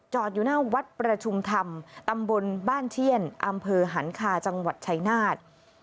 อยู่หน้าวัดประชุมธรรมตำบลบ้านเชี่ยนอำเภอหันคาจังหวัดชายนาฏ